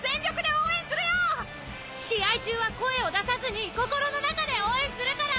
試合中は声を出さずに心の中で応援するから。